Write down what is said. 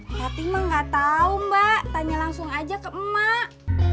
tapi emang enggak tahu mbak tanya langsung aja ke emak